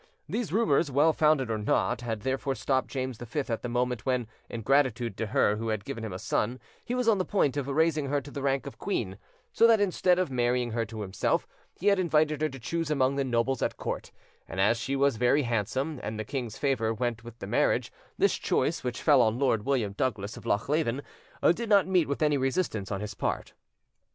These rumours, well founded or not, had therefore stopped James V at the moment when, in gratitude to her who had given him a son, he was on the point of raising her to the rank of queen; so that, instead of marrying her himself, he had invited her to choose among the nobles at court; and as she was very handsome, and the king's favour went with the marriage, this choice, which fell on Lord William Douglas of Lochleven, did not meet with any resistance on his part.